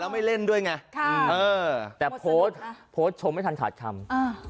ไม่เล่นด้วยไงค่ะเออแต่โพสต์โพสต์ชมไม่ทันขาดคำอ่า